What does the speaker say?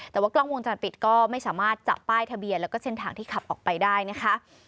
แต่ว่ากล้องวงจรปิดก็ไม่สามารถจับป้ายทะเบียนแล้วก็เส้นทางที่ขับออกไปได้นะคะ